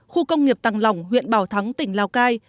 khu công nghiệp tàng lỏng huyện bảo thắng tỉnh lào cai